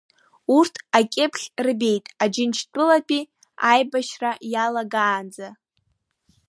Урҭ акьыԥхь рбеит Аџьынџьтәылатәи аибашьра иалагаанӡа.